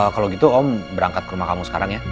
kalau gitu om berangkat ke rumah kamu sekarang ya